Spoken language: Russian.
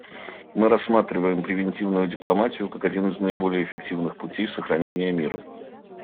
Мы рассматриваем превентивную дипломатию как один из наиболее эффективных путей сохранения мира.